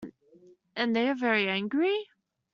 And they are very angry?